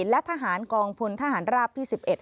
และทหารกองพลทหารราบที่๑๑